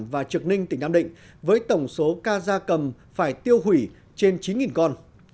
và trực ninh tỉnh nam định với tổng số ca gia cầm phải tiêu hủy trên chín con